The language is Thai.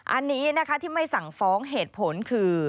อันนี้นะคะที่ไม่สั่งฟ้องเหตุผลคือ